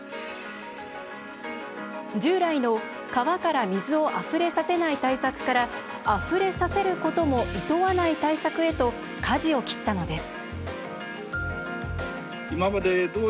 従来の川から水を「あふれさせない」対策から「あふれさせる」こともいとわない対策へとかじを切ったのです。